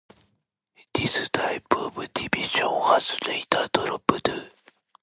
This type of division was later dropped.